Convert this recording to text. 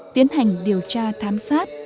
tiến hành điều tra thám sát